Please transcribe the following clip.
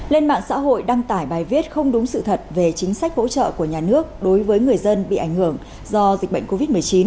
lên mạng xã hội đăng tải bài viết không đúng sự thật về chính sách hỗ trợ của nhà nước đối với người dân bị ảnh hưởng do dịch bệnh covid một mươi chín